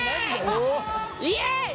イエイ！